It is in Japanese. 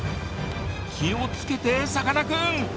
気をつけてさかなクン！